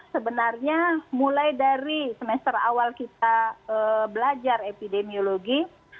sebenarnya mulai dari semester awal kita belajar epidemiologi